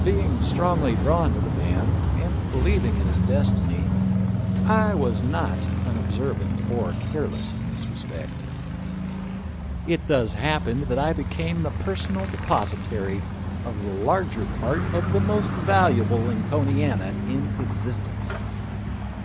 Be ing strongly drawn to the man, and believing in his destiny, I was not unobservant or careless in this respect. It thus happened that I became the per sonal depositary of the larger part of the most valu able Lincolniana in existence.